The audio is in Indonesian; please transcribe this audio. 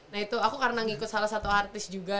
nah itu aku karena ngikut salah satu artis juga